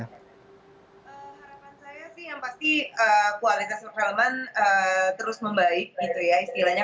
harapan saya sih yang pasti kualitas perfilman terus membaik gitu ya istilahnya